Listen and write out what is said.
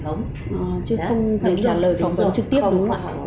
chứ không phải trả lời phỏng vấn trực tiếp nữa